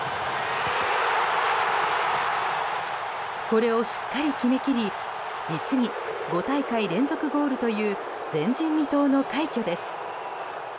これをしっかり決め切り実に５大会連続ゴールという前人未到の快挙です。